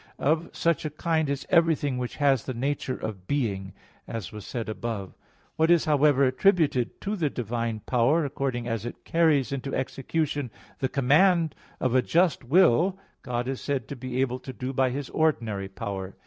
Of such a kind is everything which has the nature of being, as was said above (A. 3). What is, however, attributed to the divine power, according as it carries into execution the command of a just will, God is said to be able to do by His ordinary power.